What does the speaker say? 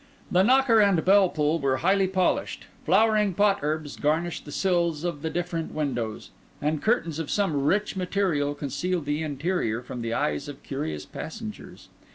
The knocker and bell pull were highly polished; flowering pot herbs garnished the sills of the different windows; and curtains of some rich material concealed the interior from the eyes of curious passengers.